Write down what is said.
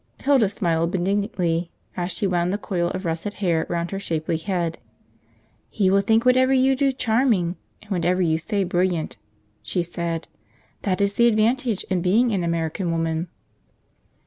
Hilda smiled benignantly as she wound the coil of russet hair round her shapely head. "He will think whatever you do charming, and whatever you say brilliant," she said; "that is the advantage in being an American woman."